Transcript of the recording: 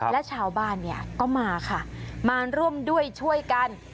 และชาวบ้านเนี่ยก็มาค่ะมาร่วมด้วยช่วยกัน